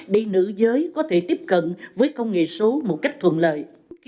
để nữ giới có thể tiếp cận với công nghệ số một cách thuận lợi